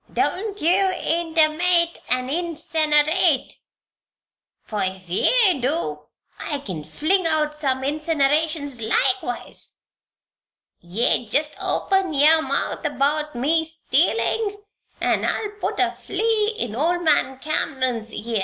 "Don't ye intermate an' insinerate; for if ye do, I kin fling out some insinerations likewise. Yeou jest open yer mouth about me stealin' an' I'll put a flea in old man Cameron's ear.